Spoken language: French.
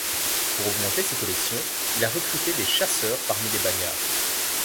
Pour augmenter ses collections, il a recruté des chasseurs parmi les bagnards.